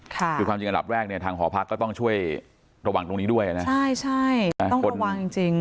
คือความจริงอันดับแรกเนี่ยทางหอพักก็ต้องช่วยระวังตรงนี้ด้วยนะใช่ใช่ต้องระวังจริงจริง